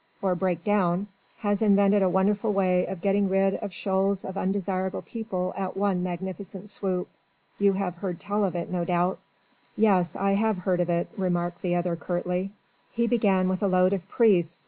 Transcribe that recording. or break down has invented a wonderful way of getting rid of shoals of undesirable people at one magnificent swoop. You have heard tell of it no doubt." "Yes. I have heard of it," remarked the other curtly. "He began with a load of priests.